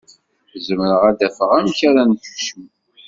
Zemreɣ ad d-afeɣ amek ara nekcem.